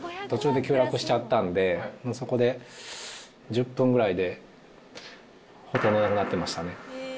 途中で急落しちゃったんで、もうそこで１０分ぐらいで、ほとんどなくなってましたね。